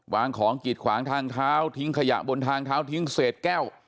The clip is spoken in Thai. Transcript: วางของกิดขวางทางเท้าทิ้งขยะบนทางเท้าทิ้งเศษแก้ว